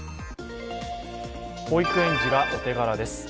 保育園児がお手柄です。